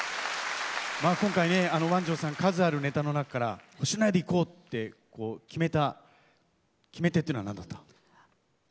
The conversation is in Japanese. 今回ねわん丈さん数あるネタの中から「星野屋」でいこうって決めた決め手っていうのは何だった？